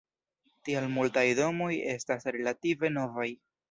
Tial multaj domoj estas relative novaj.